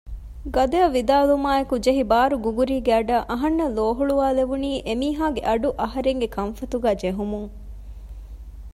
ގަދައަށް ވިދާލުމާއެކު ޖެހި ބާރު ގުގުރީގެ އަޑަށް އަހަންނަށް ލޯހުޅުވާލެވުނީ އެމީހާގެ އަޑު އަހަރެންގެ ކަންފަތުގައި ޖެހުމުން